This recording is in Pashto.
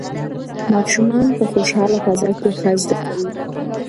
ماشومان په خوشحاله فضا کې ښه زده کوي.